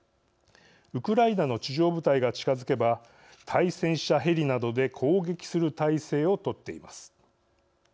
ウクライナの地上部隊が近づけば対戦車ヘリなどで攻撃する態勢を取っています。